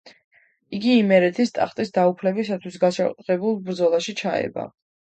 იგი იმერეთის ტახტის დაუფლებისათვის გაჩაღებულ ბრძოლაში ჩაება.